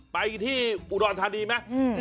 ไปที่อุดรธานีไหม